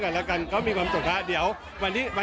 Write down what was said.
เซอร์ไพรส์มากป้าแต่นเดินด้วย